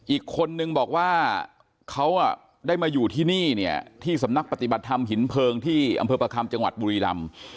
อีกคนนึงบอกว่าเขาได้มาอยู่ที่นี่เนี่ยที่สำนักปฏิบัติธรรมหินเพลิงที่อำเภอประคัมจังหวัดบุรีรำ